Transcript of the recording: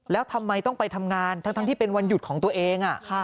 แล้วทำไมต้องไปทำงานทั้งที่เป็นวันหยุดของตัวเอง